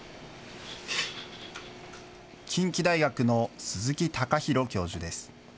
近畿大学の鈴木高広教授です。